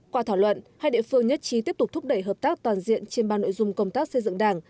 qua thảo luận hai địa phương nhất trí tiếp tục thúc đẩy hợp tác toàn diện trên ba nội dung công tác xây dựng đảng